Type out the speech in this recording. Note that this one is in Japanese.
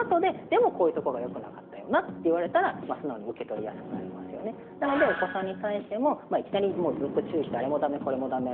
でもこういうとこがよくなかったよな」って言われたら素直に受け取りやすくなりますよねなのでお子さんに対してもいきなりずっと注意して「あれもダメこれもダメ」